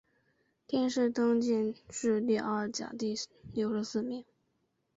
殿试登进士第二甲第六十四名。